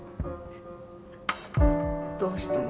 どうしたの？